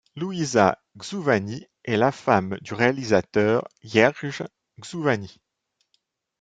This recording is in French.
Luiza Xhuvani est la femme du réalisateur Gjergj Xhuvani.